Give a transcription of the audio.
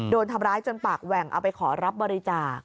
โดนทำร้ายจนปากแหว่งเอาไปขอรับบริจาค